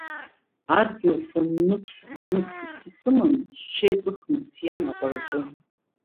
Адгьыл саннықәс знык сыԥсы сыман, сҽеиҵыхны сиан аҟәараҿы.